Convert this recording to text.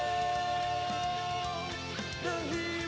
โอ้โหไม่พลาดกับธนาคมโดโด้แดงเขาสร้างแบบนี้